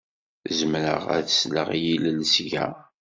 Zemreɣ ad sleɣ i yilel seg-a.